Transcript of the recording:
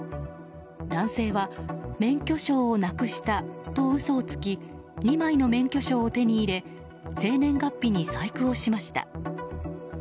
男性は免許証をなくしたと嘘をつき２枚の免許証を手に入れ生年月日に細工をしました。